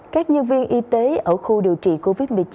các nhân viên y tế ở khu điều trị covid một mươi chín